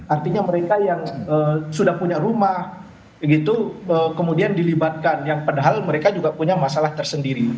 artinya mereka yang sudah punya rumah kemudian dilibatkan yang padahal mereka juga punya masalah tersendiri